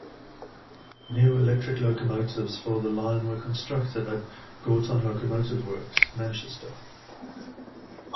New electric locomotives for the line were constructed at Gorton locomotive works, Manchester.